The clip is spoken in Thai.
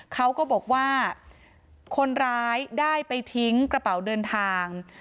เขาก็บอกว่าคนร้ายได้ไปทิ้งกระเป๋าเดินทาง